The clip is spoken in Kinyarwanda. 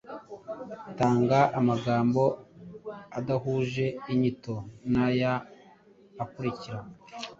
Tanga amagambo adahuje inyito n’aya akurikira: